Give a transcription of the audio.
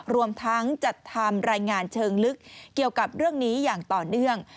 รวมทั้งจัดทำรายงานเชิงลึกเกี่ยวกับเรื่องนี้อย่างต่อเนื่อง